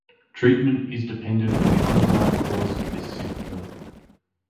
Treatment is dependent on the underlying cause of this symptom.